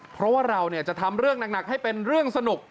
เพราะว่าเราจะทำเรื่องหนักให้เป็นเรื่องสนุก